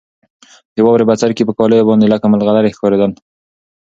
د واورې بڅرکي په کالیو باندې لکه ملغلرې ښکارېدل.